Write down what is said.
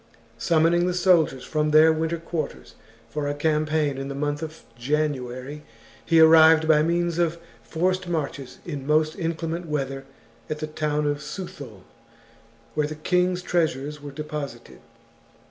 Summoning the soldiers from their winter quarters for a campaign in the month of January, he arrived by means of forced marches in most inclement weather at the town of Suthul, where the king's treasures were deposited.